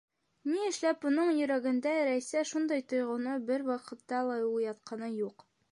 Ни эшләп уның йөрәгендә Рәйсә шундай тойғоно бер ваҡытта ла уятҡаны юҡ?